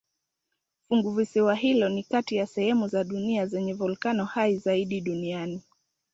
Funguvisiwa hilo ni kati ya sehemu za dunia zenye volkeno hai zaidi duniani.